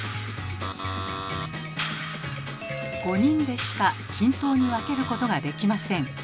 ５人でしか均等に分けることができません。